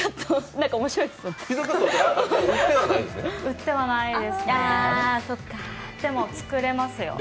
何か面白いですよね。